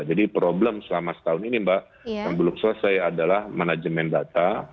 jadi problem selama setahun ini mbak yang belum selesai adalah manajemen data